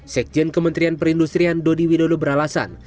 sekjen kementerian perindustrian dodi widodo beralasan